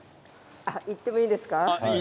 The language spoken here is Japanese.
言ってもいいですか？